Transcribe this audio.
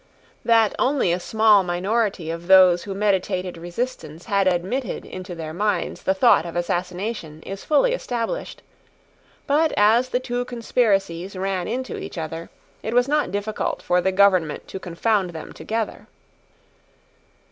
That only a small minority of those who meditated resistance had admitted into their minds the thought of assassination is fully established: but, as the two conspiracies ran into each other, it was not difficult for the government to confound them together.